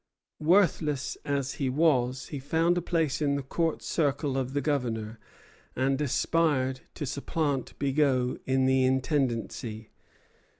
Worthless as he was, he found a place in the Court circle of the Governor, and aspired to supplant Bigot in the intendancy.